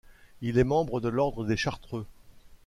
Il est membre de l'ordre des chartreux.